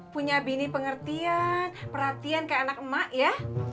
punya bini pengertian perhatian kayak anak emak ya